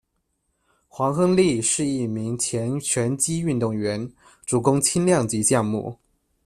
黄亨利是一名前拳击运动员，主攻轻量级项目。